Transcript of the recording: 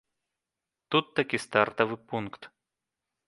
Тут такі стартавы пункт.